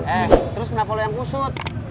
eh terus kenapa lo yang kusut